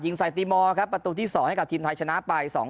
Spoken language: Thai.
ใส่ตีมอร์ครับประตูที่๒ให้กับทีมไทยชนะไป๒๐